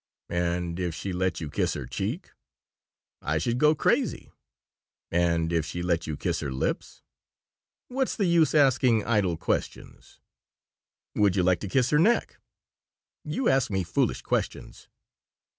"And if she let you kiss her cheek?" "I should go crazy." "And if she let you kiss her lips?" "What's the use asking idle questions?" "Would you like to kiss her neck?" "You ask me foolish questions."